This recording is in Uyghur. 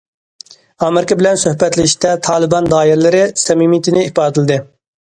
ئامېرىكا بىلەن سۆھبەتلىشىشتە تالىبان دائىرىلىرى سەمىمىيىتىنى ئىپادىلىدى.